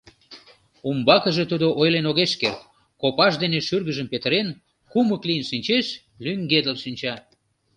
Умбакыже тудо ойлен огеш керт, копаж дене шӱргыжым петырен, кумык лийын шинчеш, лӱҥгедыл шинча.